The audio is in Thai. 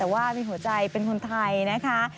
แต่ว่ามีหัวใจเป็นคนไทยนะคะ